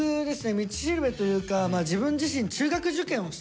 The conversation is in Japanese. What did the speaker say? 道しるべというか自分自身小学校６年生。